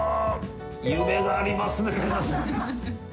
夢がありますね。